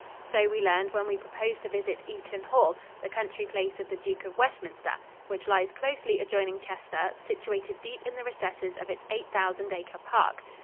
So we learned when we proposed to visit Eaton Hall, the country place of the Duke of Westminster, which lies closely adjoining Chester, situated deep in the recesses of its eight thousand acre park.